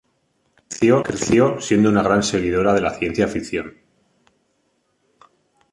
Creció siendo una gran seguidora de la ciencia ficción.